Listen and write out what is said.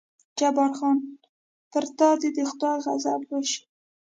جبار خان: پر تا دې د خدای غضب وشي.